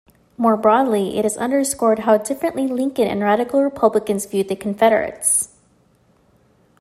More broadly, it underscored how differently Lincoln and Radical Republicans viewed the Confederates.